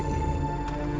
jika kamu tentang silap